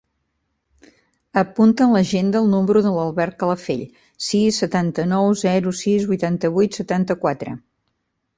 Apunta a l'agenda el número de l'Alberto Calafell: sis, setanta-nou, zero, sis, vuitanta-vuit, setanta-quatre.